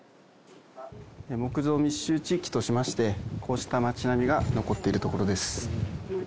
木造密集地域としまして、こうした町並みが残っている所です。